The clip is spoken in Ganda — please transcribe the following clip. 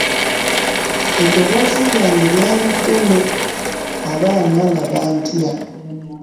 Eddoboozi lyange lyali ddene abaana nga bantya.